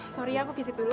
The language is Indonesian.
sorry ya aku fisik dulu